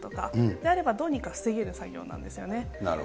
であれば、どうにか防げる作業なんですよね。